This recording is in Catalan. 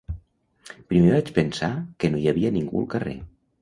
Primer vaig pensar que no hi havia ningú al carrer.